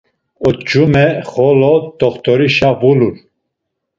Oç̌ume xolo t̆oxt̆orişe vulur.